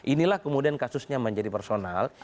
inilah kemudian kasusnya menjadi personal